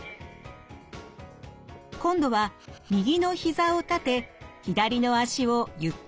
今度は右のひざを立て左の脚をゆっくり持ち上げます。